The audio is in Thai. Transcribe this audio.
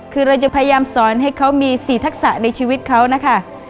คือเราจะพยายามสอนให้เขามี๔ทักษะในชีวิตเขานะคะ